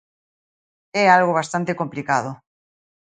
É algo bastante complicado.